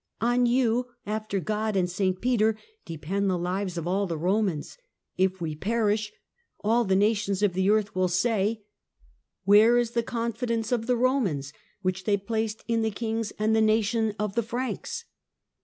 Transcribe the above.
" On you, after God and St. Peter, depend the lives of all the Romans. If we perish, all the nations of the earth will say, ' Where is the con fidence of the Romans which they placed in the kings and the nation of the Franks?